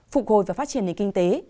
phục hồi và phát triển nền kinh tế